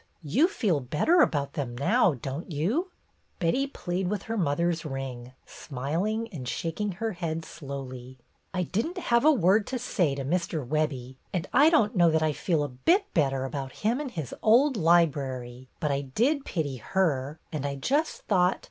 You feel better about them now, don't you ?" Betty played with her mother's ring, smiling and shaking her head slowly. "I did n't have a word to say to Mr. Webbie, and I don't know that I feel a bit better about him and his old library. But I did pity her, and I just thought.